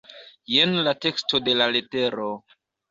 Jen la teksto de la letero.